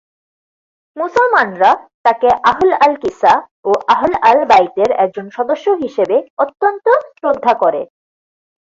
মুসলমানরা তাঁকে আহল আল-কিসা ও আহল আল-বাইতের একজন সদস্য হিসেবে অত্যন্ত শ্রদ্ধা করে।